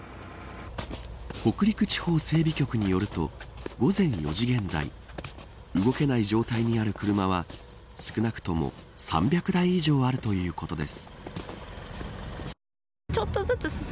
北陸地方整備局によると午前４時現在動けない状態にある車は少なくとも３００台以上あるということです。